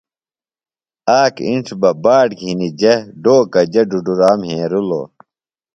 آک اِنڇ بہ باٹ گِھنیۡ جےۡ ڈوکہ جےۡ ڈُڈوۡرا مھیرِلوۡ